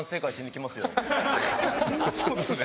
そうですね。